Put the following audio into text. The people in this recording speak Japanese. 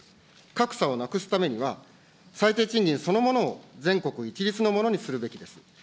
格差をなくすためには、最低賃金そのものを全国一律のものにするべきです。